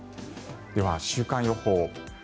では週間予報。